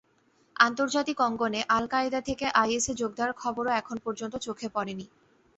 আন্তর্জাতিক অঙ্গনে আল-কায়েদা থেকে আইএসে যোগ দেওয়ার খবরও এখন পর্যন্ত চোখে পড়েনি।